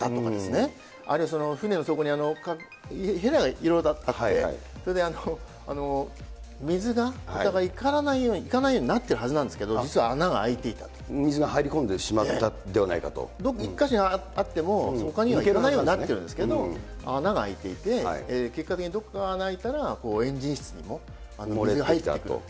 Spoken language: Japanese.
あるいは船の底に、いろいろあって、水がいかないようになってるはずなんですけど、実は穴が開いてい水が入り込んでしまったんで１か所にあっても、ほかにはいかないようになってるんですけれども、穴が開いていて、結果的にどこか穴が開いたら、エンジン室にも水が入ってくると。